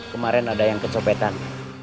kemarin ada yang kecopetan